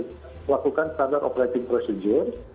melakukan standard operating procedure